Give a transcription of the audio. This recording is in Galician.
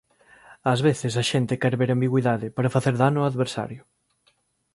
Ás veces a xente quer ver ambigüidade para facer dano ao adversario.